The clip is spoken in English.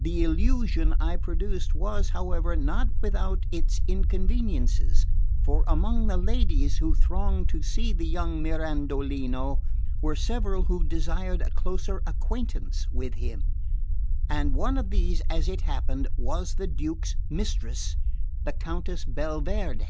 The illusion I produced was, however, not without its inconveniences; for, among the ladies who thronged to see the young Mirandolino, were several who desired a closer acquaintance with him; and one of these, as it happened, was the Duke's mistress, the Countess Belverde.